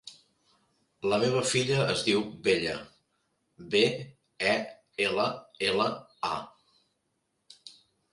La meva filla es diu Bella: be, e, ela, ela, a.